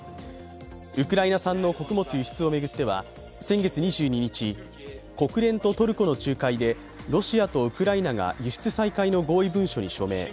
ウクライナ産の穀物輸出を巡っては先月２２日、国連とトルコの仲介でロシアとウクライナが輸出再開の合意文書に署名。